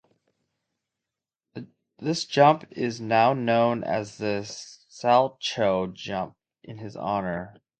This jump is now known as the Salchow jump in his honor.